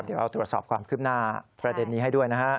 เดี๋ยวเราตรวจสอบความคืบหน้าประเด็นนี้ให้ด้วยนะฮะ